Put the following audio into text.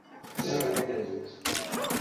আজ স্কুলে আমার টিচারের প্রথম দিন মিসেস নায়ার।